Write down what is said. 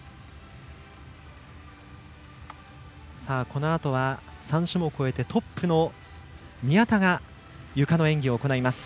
このあとは３種目終えてトップの宮田がゆかの演技を行います。